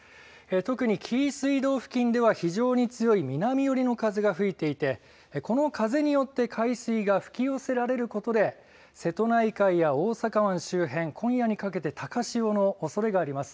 特に紀伊水道付近では非常に強い南寄りの風が吹いていて、この風によって海水が吹き寄せられることで、瀬戸内海や大阪湾周辺、今夜にかけて高潮のおそれがあります。